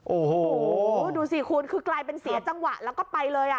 โอ้โหดูสิคุณคือกลายเป็นเสียจังหวะแล้วก็ไปเลยอ่ะ